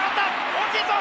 大きいぞ！